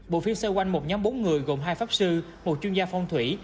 bộ phim xoay quanh một nhóm bốn người gồm hai pháp sư một chuyên gia phong thủy